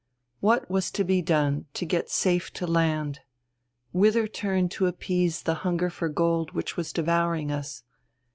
What was to be done to get safe to land? Whither turn to appease the hunger for gold which was devouring us?